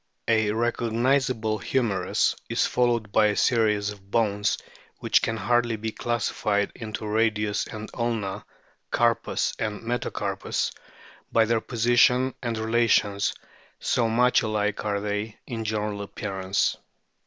A recognisable humerus is followed by a series of bones which can hardly be classified into radius and ulna, carpus and metacarpus, by their position and relations, so much alike are they in general appear ance.